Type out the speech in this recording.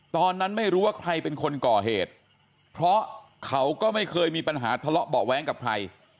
ตอนนั้นไม่รู้ว่าใครเป็นคนก่อเหตุเพราะเขาก็ไม่เคยมีปัญหาทะเลาะเบาะแว้งกับใคร